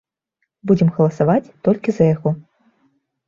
Будзем галасаваць толькі за яго.